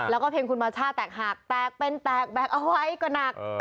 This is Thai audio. แล้วก็เพลงคุณมาช่าแตกหักแตกเป็นแตกแบกเอาไว้ก็หนัก